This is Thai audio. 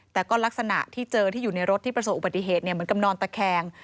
แต่ก็ลักษณะที่เจอที่อยู่ในรถที่ประสบอุบัติเหตุเหมือนกับนอนตะแคง